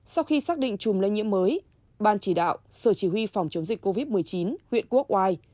sau khi xác định chùm lây nhiễm mới ban chỉ đạo sở chỉ huy phòng chống dịch covid một mươi chín huyện quốc oai